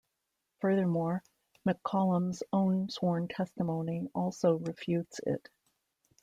Furthermore, McCollum's own sworn testimony also refutes it.